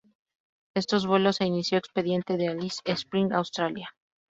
Estos vuelos se inició expediente de Alice Springs, Australia.